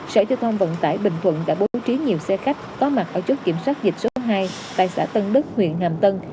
sở giao thông vận tải bình thuận đã bố trí nhiều xe khách có mặt ở chốt kiểm soát dịch số hai tại xã tân đức huyện hàm tân